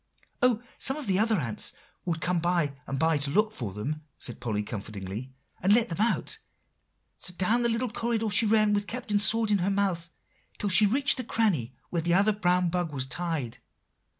"Oh! some of the other ants would come by and by, to look for them," said Polly comfortingly, "and let them out. So down the long corridor she ran with the Captain's sword in her mouth, till she reached the cranny where the other brown bug was tied.